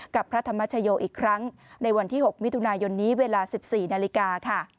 กับพระธรรมชโยอีกครั้งในวันที่๖มิถุนายนนี้เวลา๑๔นาฬิกาค่ะ